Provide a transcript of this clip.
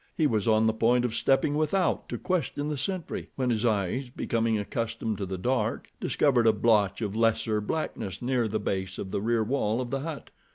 He was on the point of stepping without to question the sentry, when his eyes, becoming accustomed to the dark, discovered a blotch of lesser blackness near the base of the rear wall of the hut.